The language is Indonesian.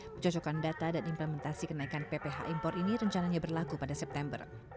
pencocokan data dan implementasi kenaikan pph impor ini rencananya berlaku pada september